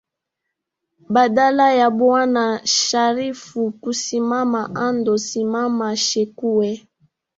Badala ya bwana Sharifu kusimama ando simama Shekuwe